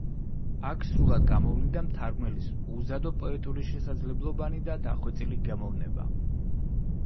აქ სრულად გამოვლინდა მთარგმნელის უზადო პოეტური შესაძლებლობანი და დახვეწილი გემოვნება.